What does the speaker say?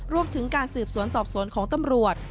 รวมถึงการสืบสวนสอบสวนของตำรวจ